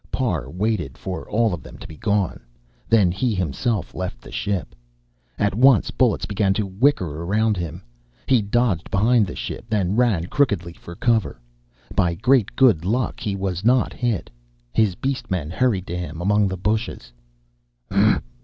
Parr waited for all of them to be gone, then he himself left the ship. At once bullets began to whicker around him. He dodged behind the ship, then ran crookedly for cover. By great good luck, he was not hit. His beast men hurried to him among the bushes.